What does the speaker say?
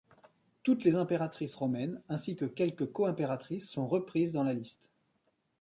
Toutes les impératrices romaines ainsi que quelques coïmpératrices sont reprises dans la liste.